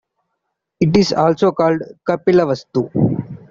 It is also called Kapilavastu.